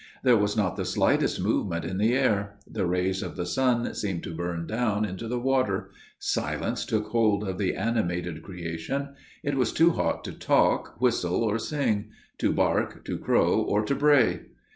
There was not the slightest movement in the air; the rays of the sun seemed to burn down into the water. Silence took hold of the animated creation. It was too hot to talk, whistle, or sing; to bark, to crow, or to bray.